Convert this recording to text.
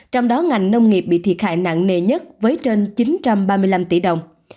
trong đó ngành nông nghiệp bị thiệt hại nặng nề nhất với trên chín trăm ba mươi năm tỷ đồng